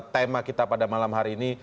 tema kita pada malam hari ini